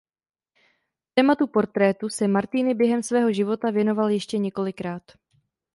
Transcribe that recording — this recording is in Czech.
Tématu portrétu se Martini během svého života věnoval ještě několikrát.